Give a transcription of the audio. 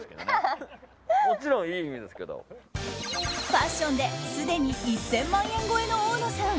ファッションですでに１０００万円超えの大野さん。